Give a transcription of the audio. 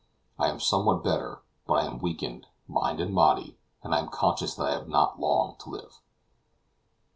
I am somewhat better; but I am weakened, mind and body, and I am conscious that I have not long to live.